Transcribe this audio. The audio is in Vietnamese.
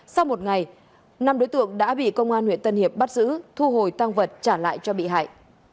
sau một ngày năm đối tượng đã bị công an huyện tân hiệp bắt giữ thu hồi tăng vật trả lại cho bị hại